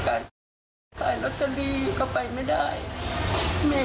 ขอบคุณคุณผู้ชมขอบคุณทุกเพศ